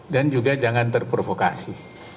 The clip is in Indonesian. dan juga jangan terprovokasi